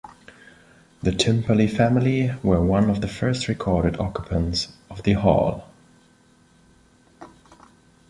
The Timperley family were one of the first recorded occupants of the Hall.